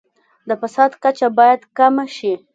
د فساد کچه باید کمه شي.